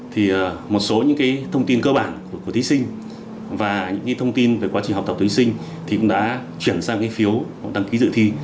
thì một số những cái thông tin cơ bản của thí sinh và những thông tin về quá trình học tập thí sinh thì cũng đã chuyển sang cái phiếu đăng ký dự thi